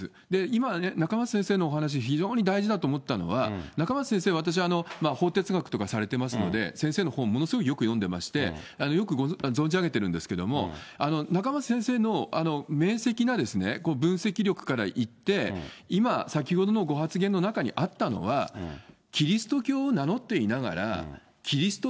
今、仲正先生のお話、非常に大事だと思ったのは、仲正先生、私、法哲学とかされてますので、先生の本、ものすごいよく読んでまして、よく存じ上げているんですけれども、仲正先生の明せきな分析力からいって、今、先ほどのご発言の中にあったのは、キリスト教を名乗っていながら、キリスト